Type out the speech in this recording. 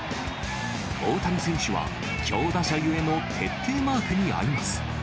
大谷選手は、強打者ゆえの徹底マークにあいます。